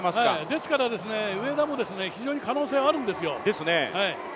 ですから、上田も非常に可能性があるんですよ。